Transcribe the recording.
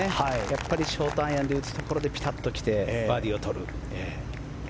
やっぱりショートアイアンで打つところをピタッと来てバーディーを取る。